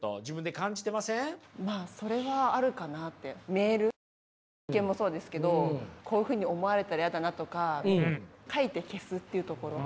メールの一件もそうですけどこういうふうに思われたら嫌だなとか書いて消すっていうところ。